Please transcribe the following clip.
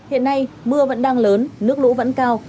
hiện nay mưa vẫn đang lớn nước lũ vẫn cao